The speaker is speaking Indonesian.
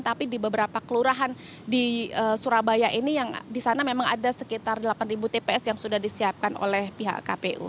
tapi di beberapa kelurahan di surabaya ini yang di sana memang ada sekitar delapan tps yang sudah disiapkan oleh pihak kpu